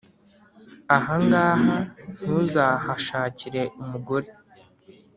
Aha ngaha ntuzahashakire umugore